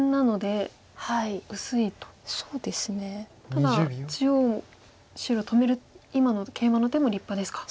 ただ中央白止める今のケイマの手も立派ですか。